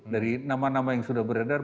dari nama nama yang sudah beredar